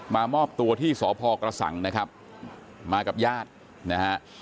มามอบตัวที่สพกระสังนะครับมากับญาตินะฮะ